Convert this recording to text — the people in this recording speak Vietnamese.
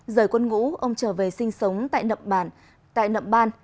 rời quân ngũ ông trở về sinh sống tại nậm ban